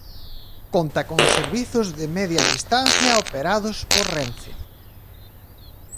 Conta con servizos de media distancia operados por Renfe.